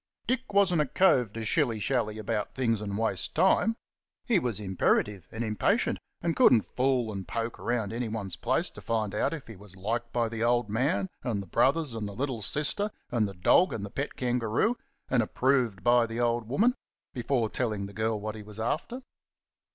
Dick wasn't a cove to shilly shally about things and waste time; he was imperative and impatient, and couldn't fool and poke round anyone's place to find out if he was liked by the old man and the brothers and the little sister and the dog and the pet kangaroo, and approved by the old woman, before telling the girl what he was after.